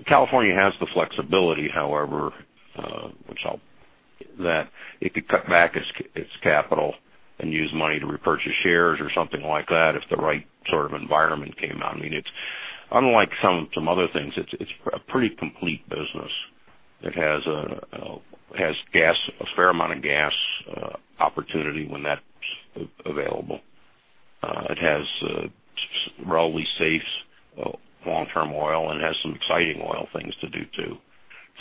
[SPEAKER 3] California has the flexibility, however, that it could cut back its capital and use money to repurchase shares or something like that if the right sort of environment came out. Unlike some other things, it's a pretty complete business that has a fair amount of gas opportunity when that's available. It has relatively safe long-term oil and has some exciting oil things to do, too.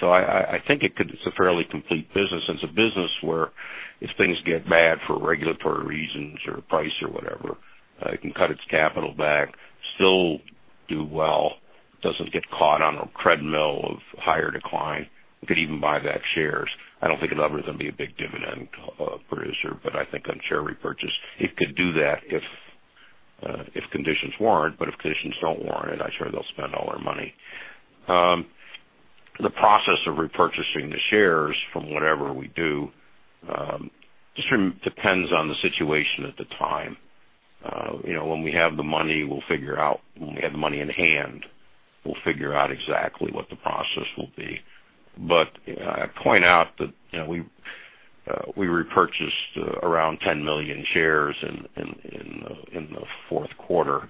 [SPEAKER 3] I think it's a fairly complete business. It's a business where if things get bad for regulatory reasons or price or whatever, it can cut its capital back, still do well, doesn't get caught on a treadmill of higher decline. It could even buy back shares. I don't think it's ever going to be a big dividend producer, I think on share repurchase, it could do that if conditions warrant. If conditions don't warrant it, I'm sure they'll spend all their money. The process of repurchasing the shares from whatever we do just depends on the situation at the time. When we have the money in hand, we'll figure out exactly what the process will be. I point out that we repurchased around 10 million shares in the fourth quarter.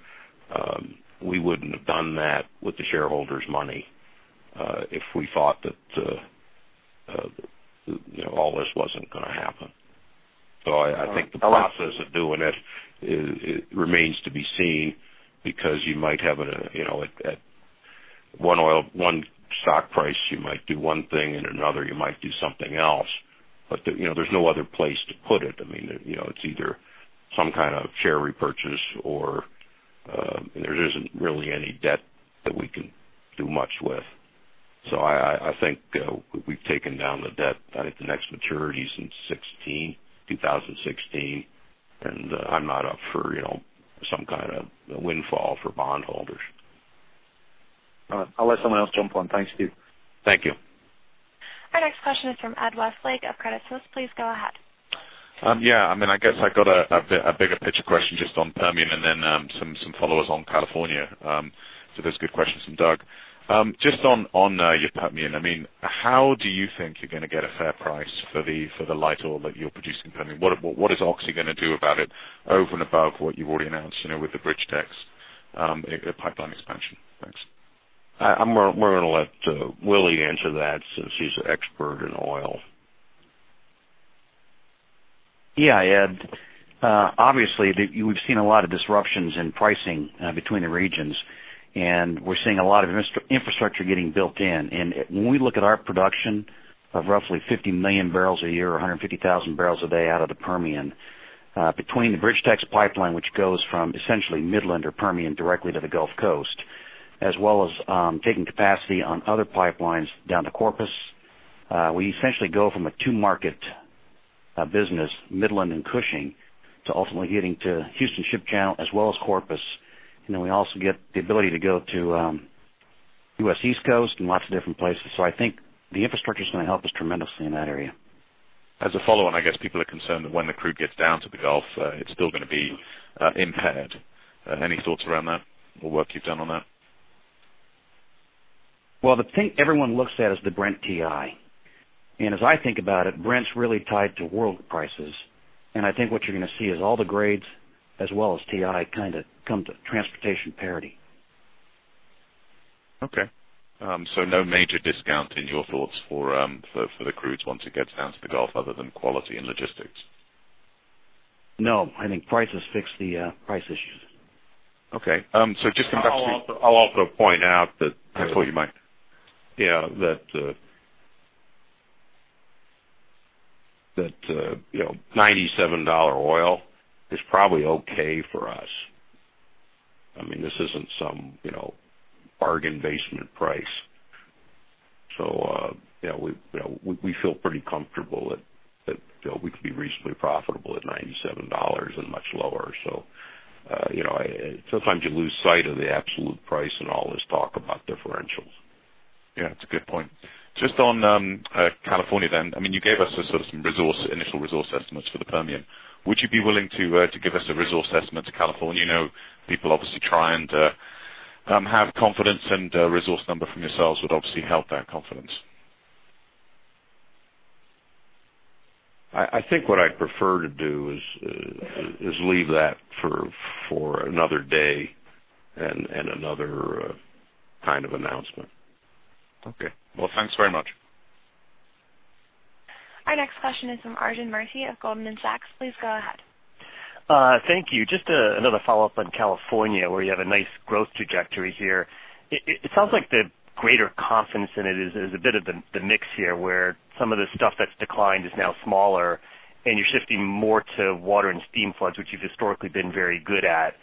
[SPEAKER 3] We wouldn't have done that with the shareholders' money if we thought that all this wasn't going to happen. I think the process of doing it remains to be seen, because at one stock price, you might do one thing, and another, you might do something else. There's no other place to put it. It's either some kind of share repurchase or there isn't really any debt that we can do much with. I think we've taken down the debt. I think the next maturity's in 2016, I'm not up for some kind of windfall for bond holders.
[SPEAKER 6] All right. I'll let someone else jump on. Thanks, Steve.
[SPEAKER 3] Thank you.
[SPEAKER 1] Our next question is from Ed Westlake of Credit Suisse. Please go ahead.
[SPEAKER 7] Yeah. I guess I got a bigger picture question just on Permian, and then some followers on California to those good questions from Doug. Just on your Permian, how do you think you're going to get a fair price for the light oil that you're producing in Permian? What is Oxy going to do about it over and above what you've already announced, with the BridgeTex Pipeline expansion? Thanks.
[SPEAKER 3] We're going to let Willie answer that since he's the expert in oil.
[SPEAKER 8] Ed, obviously, we've seen a lot of disruptions in pricing between the regions, we're seeing a lot of infrastructure getting built in. When we look at our production of roughly 50 million barrels a year or 150,000 barrels a day out of the Permian, between the BridgeTex Pipeline, which goes from essentially Midland or Permian directly to the Gulf Coast, as well as taking capacity on other pipelines down to Corpus, we essentially go from a two-market business, Midland and Cushing, to ultimately getting to Houston Ship Channel as well as Corpus. We also get the ability to go to U.S. East Coast and lots of different places. I think the infrastructure's going to help us tremendously in that area.
[SPEAKER 7] As a follow-on, I guess people are concerned that when the crude gets down to the Gulf, it's still going to be impaired. Any thoughts around that or work you've done on that?
[SPEAKER 8] Well, the thing everyone looks at is the Brent WTI. As I think about it, Brent's really tied to world prices. I think what you're going to see is all the grades as well as WTI come to transportation parity.
[SPEAKER 7] Okay. No major discount in your thoughts for the crudes once it gets down to the Gulf other than quality and logistics?
[SPEAKER 8] No, I think prices fix the price issues.
[SPEAKER 7] Okay. Just come back to.
[SPEAKER 3] I'll also point out that.
[SPEAKER 7] I thought you might.
[SPEAKER 3] Yeah. That $97 oil is probably okay for us. This isn't some bargain basement price. We feel pretty comfortable that we could be reasonably profitable at $97 and much lower. Sometimes you lose sight of the absolute price in all this talk about differentials.
[SPEAKER 7] Yeah, it's a good point. Just on California. You gave us some initial resource estimates for the Permian. Would you be willing to give us a resource estimate to California? People obviously try and have confidence, a resource number from yourselves would obviously help that confidence.
[SPEAKER 3] I think what I'd prefer to do is leave that for another day and another kind of announcement.
[SPEAKER 7] Okay. Well, thanks very much.
[SPEAKER 1] Our next question is from Arjun Murti of Goldman Sachs. Please go ahead.
[SPEAKER 9] Thank you. Just another follow-up on California, where you have a nice growth trajectory here. It sounds like the greater confidence in it is a bit of the mix here, where some of the stuff that's declined is now smaller and you're shifting more to water and steam floods, which you've historically been very good at,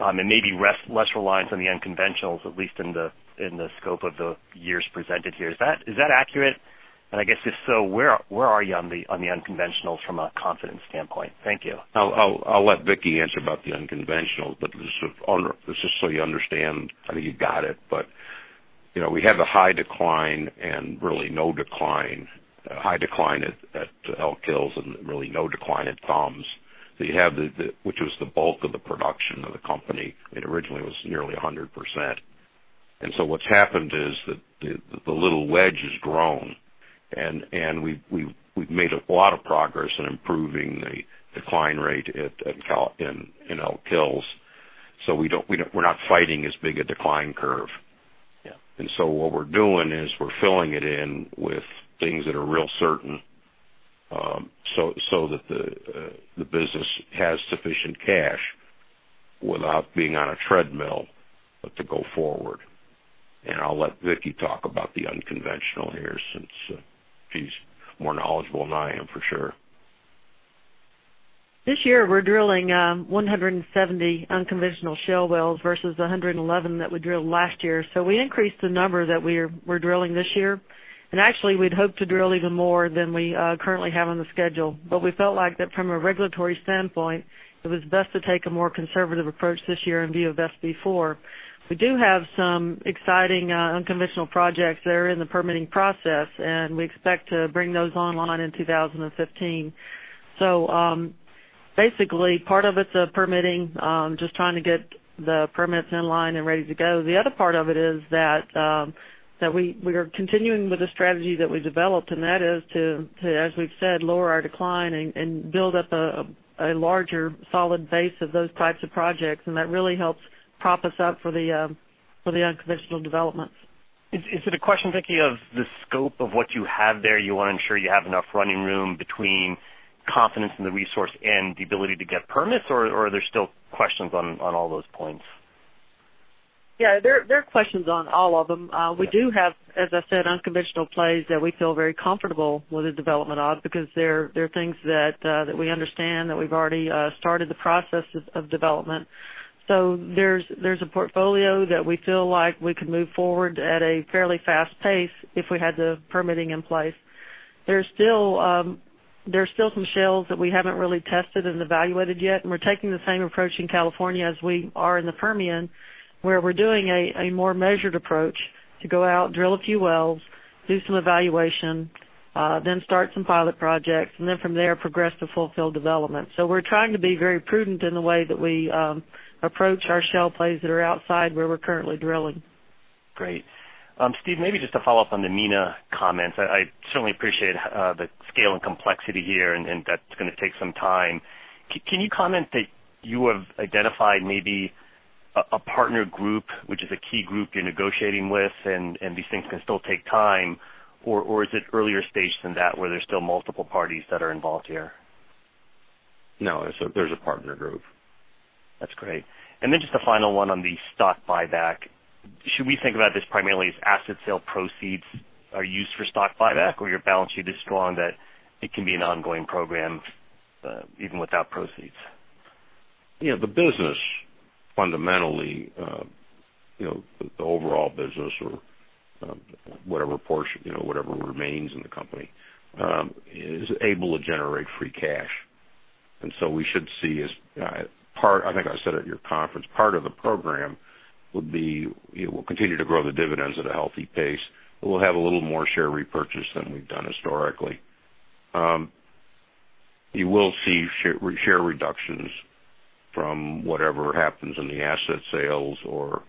[SPEAKER 9] and maybe less reliance on the unconventionals, at least in the scope of the years presented here. Is that accurate? I guess if so, where are you on the unconventionals from a confidence standpoint? Thank you.
[SPEAKER 3] I'll let Vicki answer about the unconventional. Just so you understand, I think you got it, we have the high decline and really no decline. High decline at Elk Hills and really no decline at THUMS, which was the bulk of the production of the company, and originally was nearly 100%. What's happened is that the little wedge has grown and we've made a lot of progress in improving the decline rate in Elk Hills. We're not fighting as big a decline curve.
[SPEAKER 9] Yeah.
[SPEAKER 3] What we're doing is we're filling it in with things that are real certain, so that the business has sufficient cash without being on a treadmill, but to go forward. I'll let Vicki talk about the unconventional here, since she's more knowledgeable than I am, for sure.
[SPEAKER 4] This year, we're drilling 170 unconventional shale wells versus the 111 that we drilled last year. We increased the number that we're drilling this year, and actually, we'd hoped to drill even more than we currently have on the schedule. We felt like that from a regulatory standpoint, it was best to take a more conservative approach this year in view of SB4. We do have some exciting unconventional projects that are in the permitting process, and we expect to bring those online in 2015. Basically, part of it's the permitting, just trying to get the permits in line and ready to go. The other part of it is that we are continuing with the strategy that we developed, and that is to, as we've said, lower our decline and build up a larger, solid base of those types of projects, and that really helps prop us up for the unconventional developments.
[SPEAKER 9] Is it a question, Vicki, of the scope of what you have there? You want to ensure you have enough running room between confidence in the resource and the ability to get permits, or are there still questions on all those points?
[SPEAKER 4] Yeah, there are questions on all of them. We do have, as I said, unconventional plays that we feel very comfortable with the development of, because they're things that we understand, that we've already started the process of development. There's a portfolio that we feel like we could move forward at a fairly fast pace if we had the permitting in place. There's still some shales that we haven't really tested and evaluated yet, and we're taking the same approach in California as we are in the Permian, where we're doing a more measured approach to go out, drill a few wells, do some evaluation, then start some pilot projects, and then from there progress to fulfill development. We're trying to be very prudent in the way that we approach our shale plays that are outside where we're currently drilling.
[SPEAKER 9] Great. Steve, maybe just to follow up on the MENA comments. I certainly appreciate the scale and complexity here, and that's going to take some time. Can you comment that you have identified maybe a partner group, which is a key group you're negotiating with, and these things can still take time, or is it earlier stage than that where there's still multiple parties that are involved here?
[SPEAKER 3] No. There's a partner group.
[SPEAKER 9] That's great. Then just a final one on the stock buyback. Should we think about this primarily as asset sale proceeds are used for stock buyback, or your balance sheet is strong that it can be an ongoing program even without proceeds?
[SPEAKER 3] The business fundamentally, the overall business or whatever portion, whatever remains in the company, is able to generate free cash. We should see as part, I think I said at your conference, part of the program will continue to grow the dividends at a healthy pace, but we'll have a little more share repurchase than we've done historically. You will see share reductions from whatever happens in the asset sales or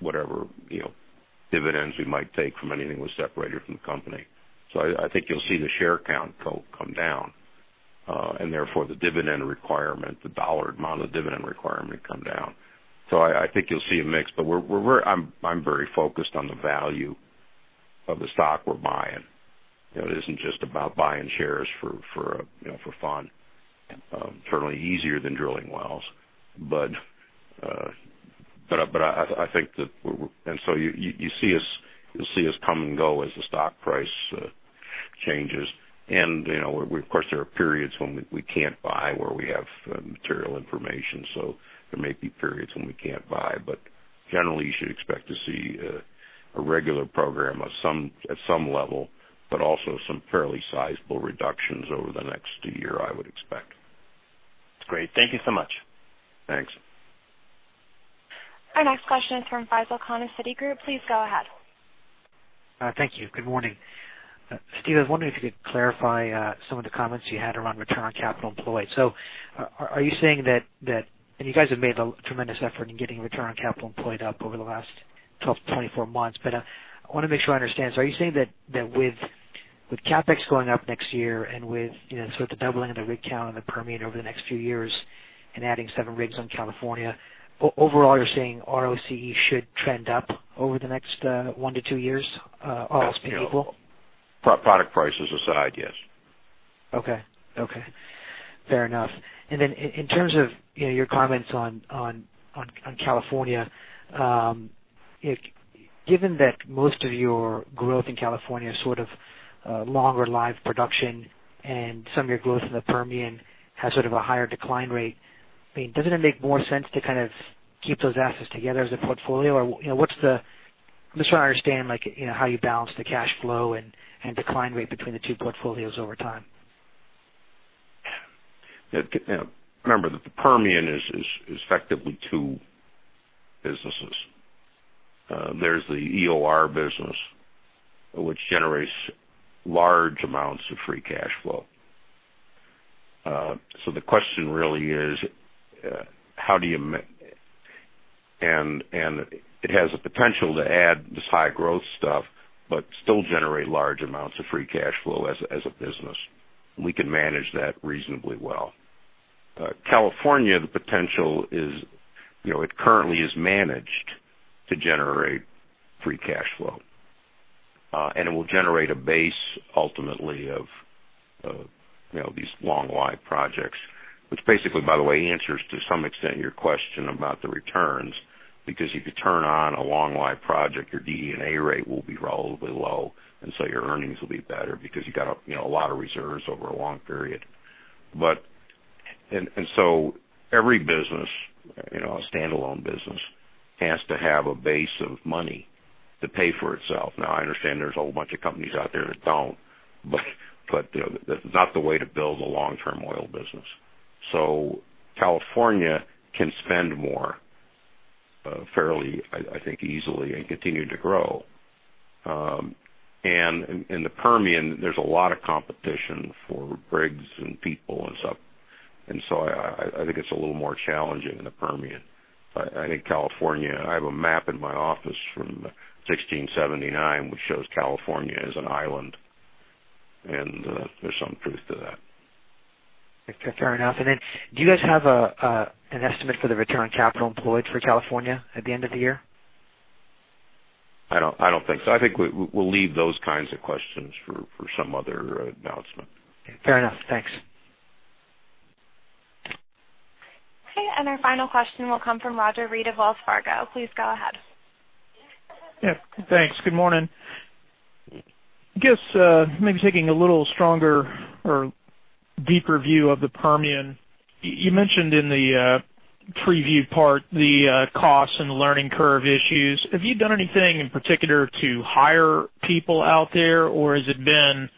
[SPEAKER 3] whatever dividends we might take from anything we separated from the company. I think you'll see the share count come down, and therefore the dividend requirement, the $ amount of the dividend requirement come down. I think you'll see a mix, but I'm very focused on the value of the stock we're buying. It isn't just about buying shares for fun. Certainly easier than drilling wells, but I think that you'll see us come and go as the stock price changes. Of course, there are periods when we can't buy, where we have material information, so there may be periods when we can't buy. Generally, you should expect to see a regular program at some level, but also some fairly sizable reductions over the next year, I would expect.
[SPEAKER 9] That's great. Thank you so much.
[SPEAKER 3] Thanks.
[SPEAKER 1] Our next question is from Faisal Khan of Citigroup. Please go ahead.
[SPEAKER 10] Thank you. Good morning. Steve, I was wondering if you could clarify some of the comments you had around return on capital employed. You guys have made a tremendous effort in getting return on capital employed up over the last 12-24 months. I want to make sure I understand. Are you saying that with CapEx going up next year and with the doubling of the rig count in the Permian over the next few years and adding seven rigs in California, overall, you're saying ROCE should trend up over the next one to two years, all else being equal?
[SPEAKER 3] Product prices aside, yes.
[SPEAKER 10] Okay. Fair enough. In terms of your comments on California, given that most of your growth in California is sort of longer-live production and some of your growth in the Permian has sort of a higher decline rate, doesn't it make more sense to keep those assets together as a portfolio? I'm just trying to understand how you balance the cash flow and decline rate between the two portfolios over time.
[SPEAKER 3] Remember that the Permian is effectively two businesses. There's the EOR business, which generates large amounts of free cash flow. The question really is, how do you it has the potential to add this high-growth stuff but still generate large amounts of free cash flow as a business. We can manage that reasonably well. California, the potential is, it currently is managed to generate free cash flow. It will generate a base ultimately of these long-live projects. Which basically, by the way, answers to some extent your question about the returns, because if you turn on a long-live project, your DD&A rate will be relatively low, and your earnings will be better because you got a lot of reserves over a long period. Every business, a standalone business, has to have a base of money to pay for itself. I understand there's a whole bunch of companies out there that don't, that's not the way to build a long-term oil business. California can spend more, fairly, I think, easily and continue to grow. In the Permian, there's a lot of competition for rigs and people and stuff, I think it's a little more challenging in the Permian. I think California, I have a map in my office from 1679, which shows California as an island, and there's some truth to that.
[SPEAKER 10] Fair enough. Do you guys have an estimate for the return on capital employed for California at the end of the year?
[SPEAKER 3] I don't think so. I think we'll leave those kinds of questions for some other announcement.
[SPEAKER 10] Fair enough. Thanks.
[SPEAKER 1] Okay, our final question will come from Roger Read of Wells Fargo. Please go ahead.
[SPEAKER 11] Yeah. Thanks. Good morning. I guess, maybe taking a little stronger or deeper view of the Permian, you mentioned in the preview part the costs and learning curve issues. Have you done anything in particular to hire people out there, or has it been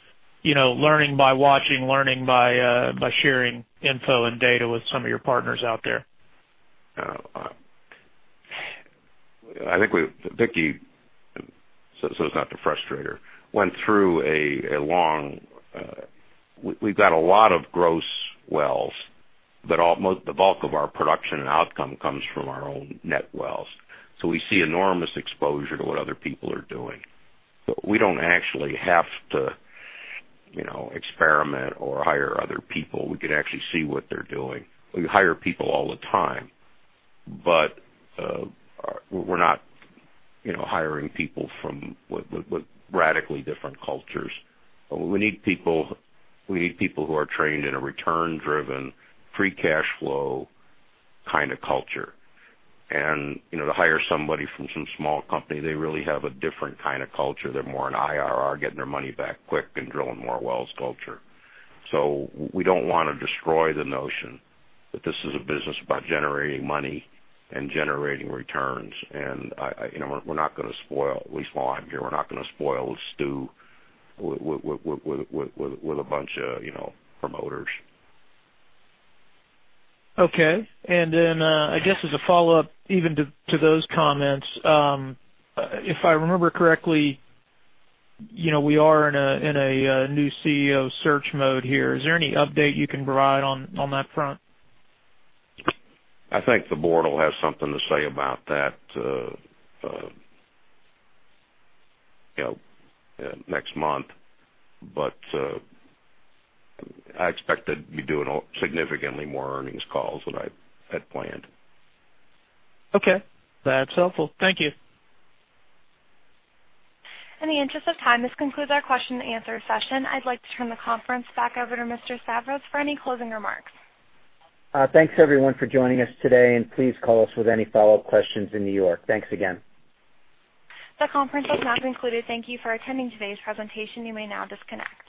[SPEAKER 11] learning by watching, learning by sharing info and data with some of your partners out there?
[SPEAKER 3] I think Vicki, as not to frustrate her, We've got a lot of gross wells, but the bulk of our production and outcome comes from our own net wells. We see enormous exposure to what other people are doing. We don't actually have to experiment or hire other people. We can actually see what they're doing. We hire people all the time, but we're not hiring people from radically different cultures. We need people who are trained in a return-driven, free cash flow kind of culture. To hire somebody from some small company, they really have a different kind of culture. They're more an IRR, getting their money back quick and drilling more wells culture. We don't want to destroy the notion that this is a business about generating money and generating returns. We're not going to spoil, at least while I'm here, we're not going to spoil Stew with a bunch of promoters.
[SPEAKER 11] Okay. Then, I guess as a follow-up, even to those comments, if I remember correctly, we are in a new CEO search mode here. Is there any update you can provide on that front?
[SPEAKER 3] I think the board will have something to say about that next month. I expect that you're doing significantly more earnings calls than I had planned.
[SPEAKER 11] Okay. That's helpful. Thank you.
[SPEAKER 1] In the interest of time, this concludes our question and answer session. I'd like to turn the conference back over to Mr. Stavros for any closing remarks.
[SPEAKER 2] Thanks everyone for joining us today, and please call us with any follow-up questions in New York. Thanks again.
[SPEAKER 1] The conference has now concluded. Thank you for attending today's presentation. You may now disconnect.